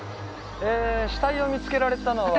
えー死体を見つけられたのは？